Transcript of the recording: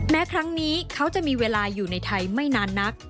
แม้ครั้งนี้เขาจะมีเวลาอยู่ในไทยไม่นานนัก